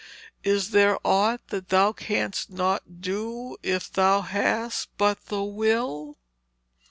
Is there aught that thou canst not do if thou hast but the will?'